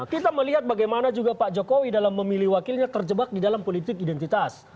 kita melihat bagaimana juga pak jokowi dalam memilih wakilnya terjebak di dalam politik identitas